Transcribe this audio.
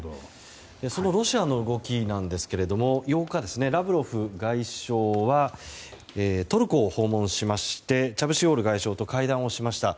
そのロシアの動きですが８日、ラブロフ外相はトルコを訪問しましてチャブシオール外相と会談をしました。